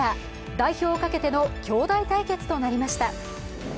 代表をかけてのきょうだい対決となりました。